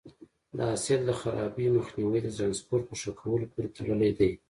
د حاصل د خرابي مخنیوی د ټرانسپورټ په ښه کولو پورې تړلی دی.